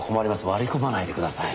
割り込まないでください。